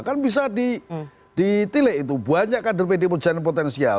kan bisa ditilai itu banyak kader pd perjuangan yang potensial